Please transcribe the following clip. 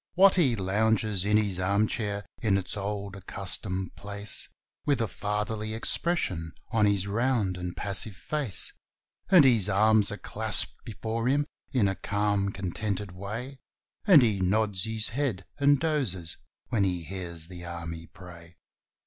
Watty lounges in his arm chair, in its old accustomed place, With a fatherly expression on his round and passive face; And his arms are clasped before him in a calm, contented way, And he nods his head and dozes when he hears the Army pray.